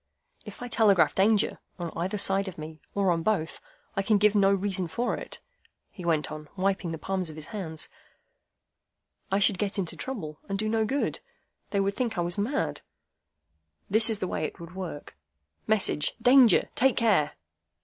"If I telegraph Danger, on either side of me, or on both, I can give no reason for it," he went on, wiping the palms of his hands. "I should get into trouble, and do no good. They would think I was mad. This is the way it would work,—Message: 'Danger! Take care!